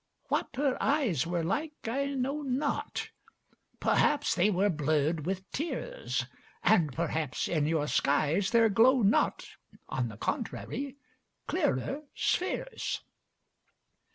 What her eyes were like I know not: Perhaps they were blurrŌĆÖd with tears; And perhaps in you skies there glow not (On the contrary) clearer spheres.